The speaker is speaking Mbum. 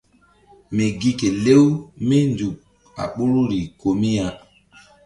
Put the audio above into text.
Mi gi kelew mí nzuk a ɓoruri ko mi ya.